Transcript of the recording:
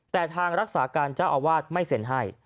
แต่ทางรักษาการเจ้าอาวาสไม่เซ็นให้